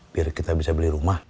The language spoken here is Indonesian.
biar kita bisa beli rumah